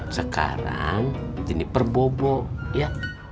sekarang jeniper bobo ya